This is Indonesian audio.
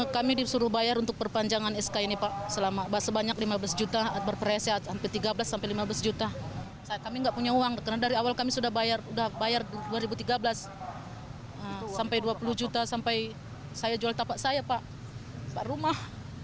karena dari awal kami sudah bayar dua ribu tiga belas sampai dua puluh juta sampai saya jual tapak saya pak rumah